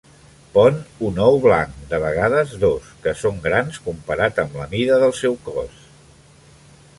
Pon un ou blanc, de vegades dos, que són grans comparat amb la mida del seu cos.